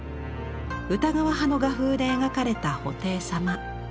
歌川派の画風で描かれた布袋様。